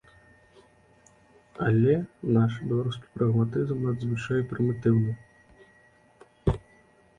Але наш беларускі прагматызм надзвычай прымітыўны.